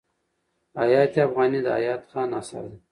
حیات افغاني د حیات خان اثر دﺉ.